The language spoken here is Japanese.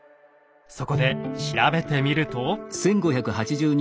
そこで調べてみると。